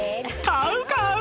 買う買う！